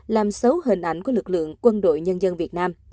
làm xấu hình ảnh của lực lượng quân đội nhân dân việt nam